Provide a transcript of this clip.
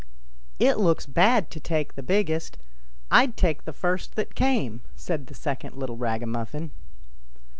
" It looks bad to take the biggest ; I'd take the first that came," said the second little ragamuffin.